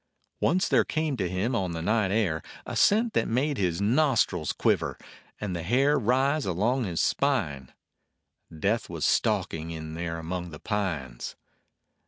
Once there came to him on the night air a scent that made his nostrils quiver and the hair rise along his spine. Death was stalking in there among the pines.